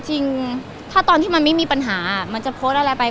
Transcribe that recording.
จริงถ้าตอนที่มันไม่มีปัญหามันจะโพสต์อะไรไป